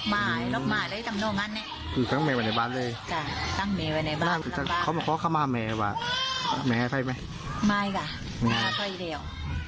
ไม่ค่ะแม่ไฟเดี๋ยว